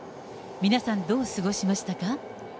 皆さん、どう過ごしましたか？